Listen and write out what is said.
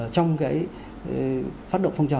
trong cái phát động phong trào